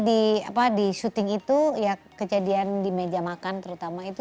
di apa di shooting itu ya kejadian di meja makan terutama itu